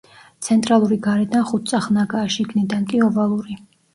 ცენტრალური გარედან ხუთწახნაგაა, შიგნიდან კი ოვალური.